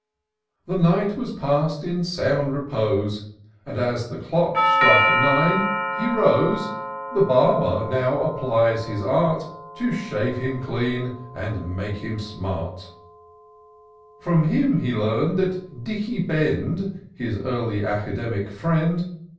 The night was pass'd in sound repose, And as the clock struck nine, he rose. The barber now applies his art. To shave him clean, and make him smart ; IN SEARCH OF THE PICTURESaUE. 49 From him he leam'd that Dicky Bend, His early academic friend.